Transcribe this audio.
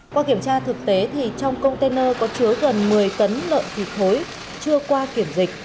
qua kiểm tra thực tế thì trong container có chứa gần một mươi tấn lợn thịt khối chưa qua kiểm dịch